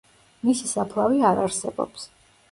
მისი საფლავი არ არსებობს.